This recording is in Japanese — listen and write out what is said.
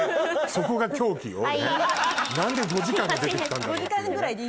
そこが狂気よ何で５時間が出てきたんだろう？っていうね。